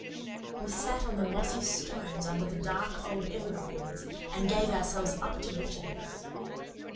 We sat on the mossy stones under the dark old evergreens and gave ourselves up to wretchedness.